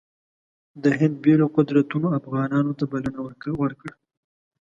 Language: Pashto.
د هند بېلو قدرتونو افغانانو ته بلنه ورکړه.